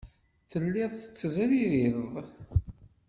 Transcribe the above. Telliḍ tettezririḍ.